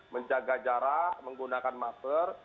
menjaga jarak menggunakan masker